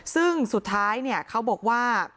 ซึ่งสุดท้ายเขาบอกว่า